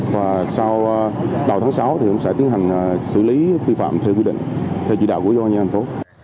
và sau đầu tháng sáu thì cũng sẽ tiến hành xử lý phi phạm theo quy định theo chỉ đạo của quân gia đình phố